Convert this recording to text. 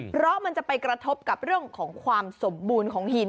เพราะมันจะไปกระทบกับเรื่องของความสมบูรณ์ของหิน